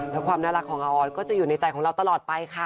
แล้วความน่ารักของอาออสก็จะอยู่ในใจของเราตลอดไปค่ะ